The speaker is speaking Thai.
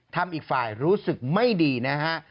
ทำอีกฝ่ายรู้สึกไม่ดีนะฮะ